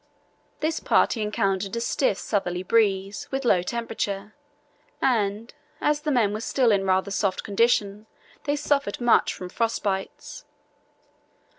This party encountered a stiff southerly breeze, with low temperature, and, as the men were still in rather soft condition, they suffered much from frost bites.